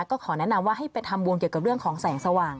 ก็ขอแนะนำว่าให้ไปทำวงเกี่ยวกับบทแสงสว่าง